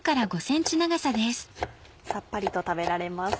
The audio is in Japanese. さっぱりと食べられます。